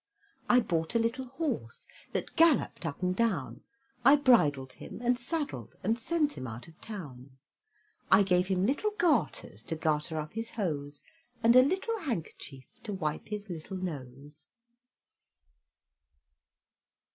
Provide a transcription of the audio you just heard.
I bought a little horse, That galloped up and down; I bridled him, and saddled And sent him out of town. I gave him little garters, To garter up his hose, And a little handkerchief, To wipe his little nose.